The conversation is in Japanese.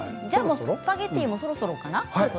スパゲッティもそろそろかな？